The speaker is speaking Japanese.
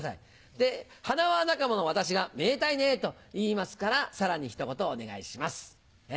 で花輪仲間の私が「めでたいね」と言いますからさらにひと言お願いします。